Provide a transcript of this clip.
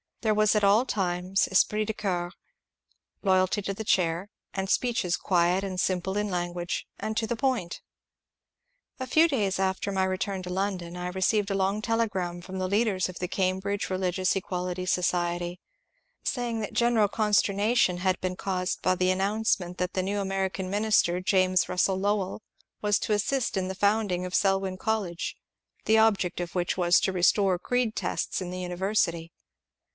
There was at all times esjyrit de corps^ loyalty to the chair, and speeches quiet and simple in language, and to the point. A few days after my return to London I received a long telegram from the leaders of the Cambridge Keligious Equality Society, saying that general consternation had been caused 378 MONCURE DANIEL CONWAY by the announcement that the new American Minister, James Bussell Lowell, was to assist in the founding of Selwyn Col lege, the object of which was to restore creed tests in the imiversity.